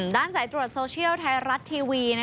สายตรวจโซเชียลไทยรัฐทีวี